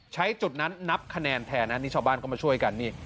ใช้จุดนั้นนับคะแนนแทนนะนี่ชาวบ้านก็มาช่วยกันนี่